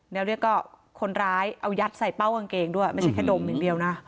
แล้วเรียกก็คนร้ายเอายัดใส่เป้ากางเกงด้วยไม่ใช่แค่ดมอย่างเดียวนะ